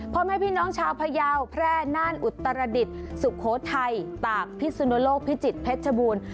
พ่อแม่พี่น้องชาวพยาวแพร่น่านอุตรดิษฐ์สุโขทัยตากพิสุนโลกพิจิตรเพชรบูรณ์